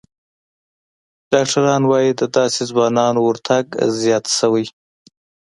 ډاکتران وايي، د داسې ځوانانو ورتګ زیات شوی